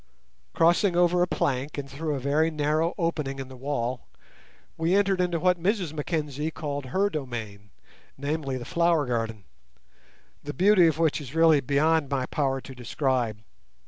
Crossing over a plank and through a very narrow opening in the wall, we entered into what Mrs Mackenzie called her domain—namely, the flower garden, the beauty of which is really beyond my power to describe.